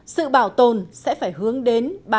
sự bảo tồn sẽ phải hướng đến bài hát